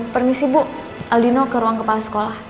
permisi bu aldino ke ruang kepala sekolah